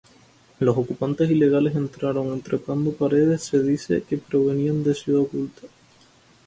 Los ocupantes ilegales entraron trepando paredes, se dice que provenían de Ciudad Oculta.